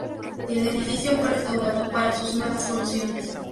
El edificio fue restaurado para sus nuevas funciones.